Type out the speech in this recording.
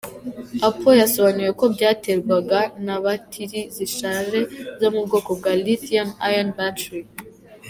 Apple yasobanuye ko byaterwaga na batiri zishaje zo mu bwoko bwa Lithium Ion Battery.